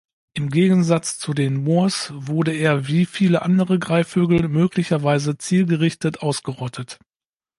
Im Gegensatz zu den Moas wurde er wie viele andere Greifvögel möglicherweise zielgerichtet ausgerottet.